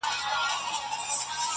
خو ځينې دودونه پاتې وي تل,